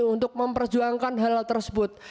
untuk memperjuangkan hal tersebut